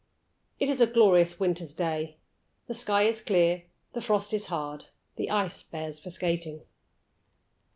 IT is a glorious winter's day. The sky is clear, the frost is hard, the ice bears for skating.